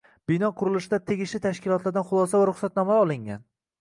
Bino qurilishida tegishli tashkilotlardan xulosa va ruxsatnomalar olingan.